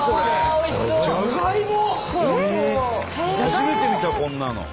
初めて見たこんなの。